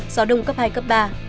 gió đông cấp hai cấp ba